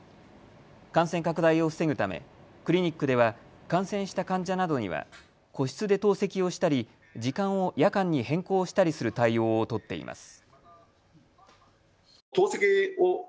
感染拡大を防ぐためクリニックでは感染した患者などには個室で透析をしたり時間を夜間に変更したりする対応を取っています。